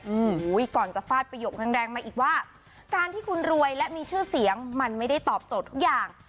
โอ้โหก่อนจะฟาดประโยคแรงแรงมาอีกว่าการที่คุณรวยและมีชื่อเสียงมันไม่ได้ตอบโจทย์ทุกอย่าง